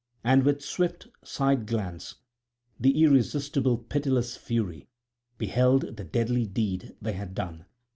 And with swift side glance the irresistible pitiless Fury beheld the deadly deed they had done.